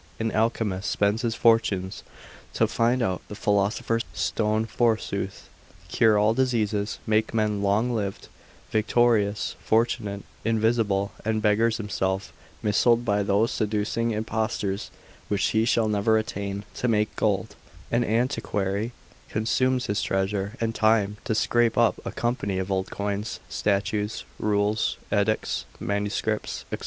An alchemist spends his fortunes to find out the philosopher's stone forsooth, cure all diseases, make men long lived, victorious, fortunate, invisible, and beggars himself, misled by those seducing impostors (which he shall never attain) to make gold; an antiquary consumes his treasure and time to scrape up a company of old coins, statues, rules, edicts, manuscripts, &c.